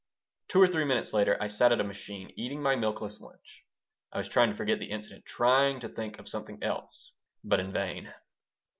Two or three minutes later I sat at a machine, eating my milkless lunch. I was trying to forget the incident, trying to think of something else, but in vain.